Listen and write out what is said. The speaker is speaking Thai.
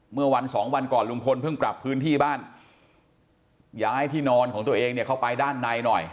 เมื่อวันสองวันก่อนลุงพลเพิ่งปรับพื้นที่บ้านย้ายที่นอนของตัวเองเนี่ยเข้าไปด้านในหน่อย